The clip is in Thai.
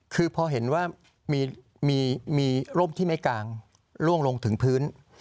คือพอเห็นว่ามีร่มที่ไม่กลางล่วงลงถึงพื้น